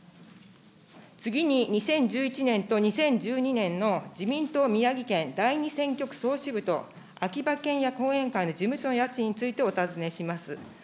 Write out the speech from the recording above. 次に２０１１年と２０１２年の自民党宮城県第２選挙区総支部と秋葉賢也後援会の事務所の家賃についてお尋ねします。